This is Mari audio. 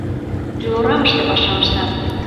Пилорамыште пашам ышта.